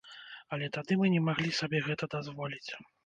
Але тады мы не маглі сабе гэта дазволіць.